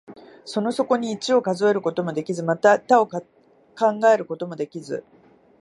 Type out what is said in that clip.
その底に一を考えることもできず、また多を考えることもできず、